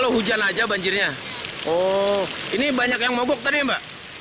hujannya dari tadi ini tidak berapa